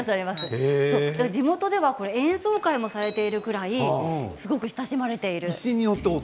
地元では演奏会されているくらい親しまれています。